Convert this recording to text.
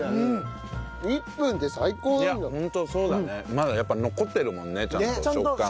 まだやっぱ残ってるもんねちゃんと食感が。